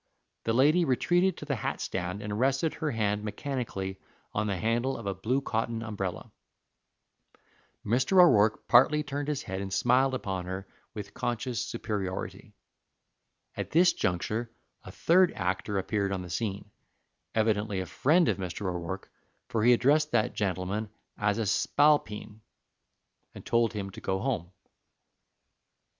The lady retreated to the hat stand, and rested her hand mechanically on the handle of a blue cotton umbrella. Mr. O'Rourke partly turned his head and smiled upon her with conscious superiority. At this juncture a third actor appeared on the scene, evidently a friend of Mr. O'Rourke, for he addressed that gentleman as a "spalpeen," and told him to go home.